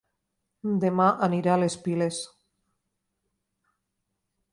Dema aniré a Les Piles